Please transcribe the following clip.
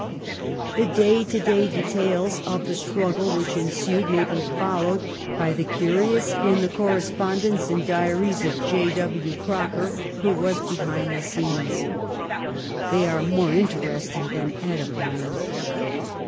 The day to day details of the struggle which ensued may be followed by the cujious; in the Correspondence and Diaries of J. W. Croker who was behind the scenes. They are more interesting than edifying.